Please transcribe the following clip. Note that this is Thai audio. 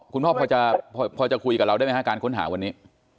คุณพ่อพอจะคุยกับเราได้ไหมฮะการค้นหาวันนี้